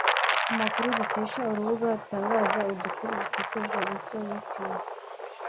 Amakuru dukesha urubuga rutangaza udukuru dusekeje(insolite)